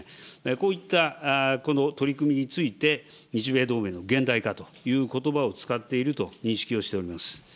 こういった取り組みについて、日米同盟の現代化ということばを使っていると認識をしております。